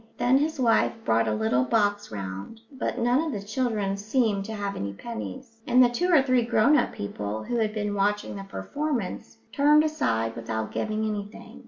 Then his wife brought a little box round, but none of the children seemed to have any pennies, and the two or three grown up people who had been watching the performance turned aside without giving anything.